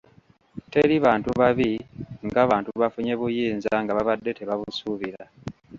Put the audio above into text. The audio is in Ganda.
Teri bantu babi nga bantu bafunye buyinza nga babadde tebabusuubira.